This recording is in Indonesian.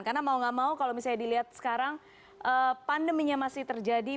karena mau gak mau kalau misalnya dilihat sekarang pandeminya masih terjadi